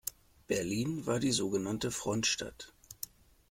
Berlin war die sogenannte Frontstadt.